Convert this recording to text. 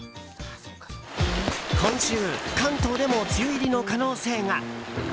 今週関東でも梅雨入りの可能性が。